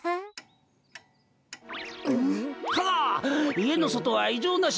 いえのそとはいじょうなしです。